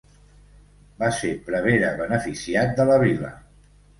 Va ser prevere beneficiat de la vila.